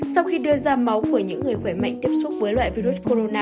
sau khi đưa ra máu của những người khỏe mạnh tiếp xúc với loại virus corona